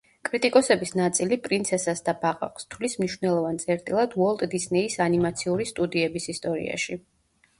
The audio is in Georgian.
კრიტიკოსების ნაწილი „პრინცესას და ბაყაყს“ თვლის მნიშვნელოვან წერტილად უოლტ დისნეის ანიმაციური სტუდიების ისტორიაში.